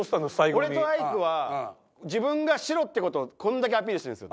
俺とアイクは自分が白ってことをこんだけアピールしてるんです。